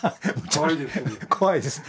怖いですね。